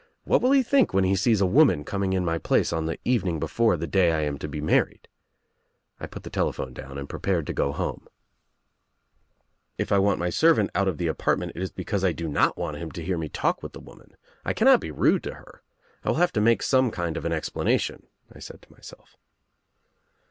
'What will he think when he sees a woman coming in.my place on the evening before the day I am to be married?' I put the telephone down and prepared to go home. 'If 1 I THE OTHER WOMAN 41 want my servant out of the apartment it is because I do not want him to hear me talk with the woman. I cannot be rude to her. I will have to make some kind of an explanation,' I said to myself.